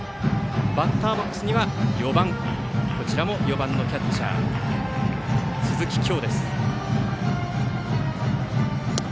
バッターボックスには、こちらも４番のキャッチャー鈴木叶。